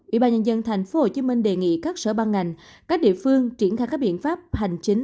ủy ban nhân dân tp hcm đề nghị các sở ban ngành các địa phương triển khai các biện pháp hành chính